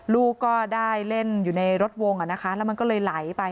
ลูกก็ได้เล่นอยู่ในรถวงอ่ะนะคะแล้วมันก็เลยไหลไป